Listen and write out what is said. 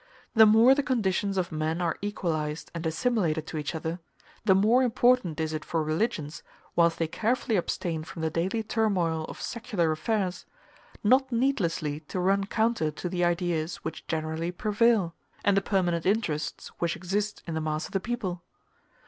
The more the conditions of men are equalized and assimilated to each other, the more important is it for religions, whilst they carefully abstain from the daily turmoil of secular affairs, not needlessly to run counter to the ideas which generally prevail, and the permanent interests which exist in the mass of the people.